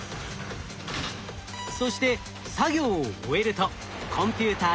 そして作業を終えるとコンピューターに報告。